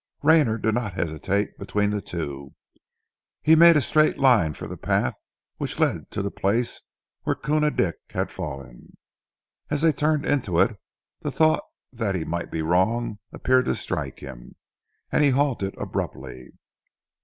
Rayner did not hesitate between the two. He made a straight line for the path which led to the place where Koona Dick had fallen. As they turned into it, the thought that he might be wrong appeared to strike him, and he halted abruptly.